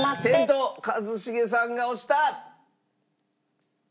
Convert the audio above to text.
一茂さんが押した。